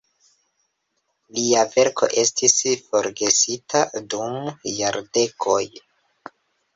Lia verko estis forgesita dum jardekoj.